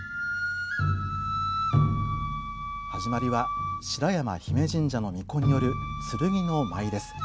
始まりは白山比神社の巫女による「剣の舞」です。